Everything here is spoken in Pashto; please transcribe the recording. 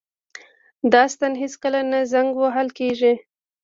دا ستن هیڅکله نه زنګ وهل کیږي.